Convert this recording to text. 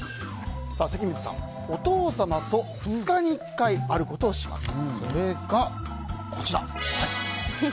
関水さん、お父様と２日に１回あることをします。